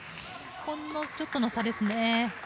ほんのちょっとの差ですね。